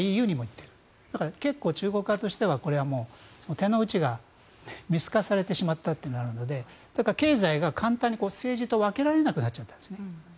だから、中国側に手の内が見透かされてしまったというのがあって経済が簡単に政治と分けられなくなってしまったんですね。